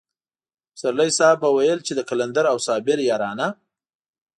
پسرلی صاحب به ويل چې د قلندر او صابر يارانه.